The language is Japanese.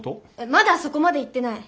まだそこまで言ってない。